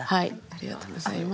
ありがとうございます。